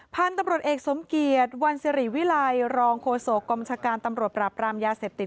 พันธุ์ตำรวจเอกสมเกียจวันสิริวิลัยรองโฆษกรมชาการตำรวจปราบรามยาเสพติด